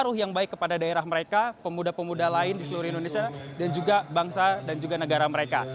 pengaruh yang baik kepada daerah mereka pemuda pemuda lain di seluruh indonesia dan juga bangsa dan juga negara mereka